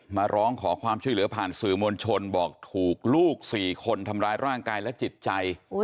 มาร้องขอความช่วยเหลือผ่านสื่อมวลชนบอกถูกลูก๔คนทำร้ายร่างกายและจิตใจ